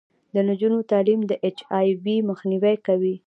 د نجونو تعلیم د اچ آی وي مخنیوی کوي.